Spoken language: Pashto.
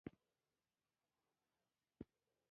افغانستان په خاوره غني دی.